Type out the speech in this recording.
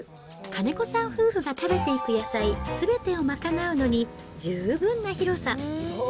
金子さん夫婦が食べていく野菜すべてを賄うのに十分な広さ。